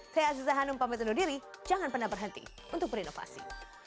saya aziza hanum pamit undur diri jangan pernah berhenti untuk berinovasi